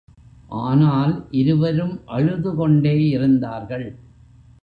ஆனால், இருவரும் அழுதுகொண்டே இருந்தார்கள்.